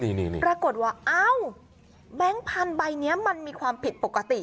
นี่ปรากฏว่าเอ้าแบงค์พันธุ์ใบนี้มันมีความผิดปกติ